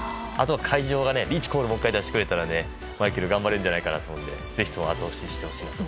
会場はリーチコールを出してくれたら頑張れるんじゃないかと思うのでぜひとも後押ししていほしいです。